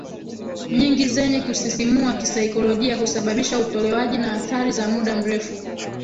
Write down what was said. nyingi zenye kusisimua kisaikolojia husababisha utolewaji na athari za muda mrefu